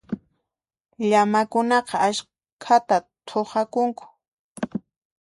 Llamakunaqa askhata thuqakunku.